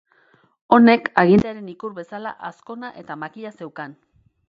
Honek agintearen ikur bezala azkona edo makila zeukan.